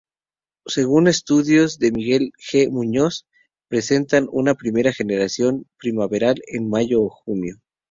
Según estudios de Miguel G. Muñoz presentan una primera generación primaveral en mayo-junio.